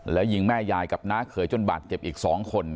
แล้วยิงแม่ยายกับน้าเขยจนบาดเจ็บอีก๒คน